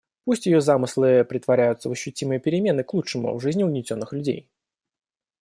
Пусть ее замыслы претворяются в ощутимые перемены к лучшему в жизни угнетенных людей.